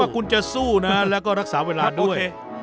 คุณจะสู้นะแล้วก็รักษาเวลาด้วย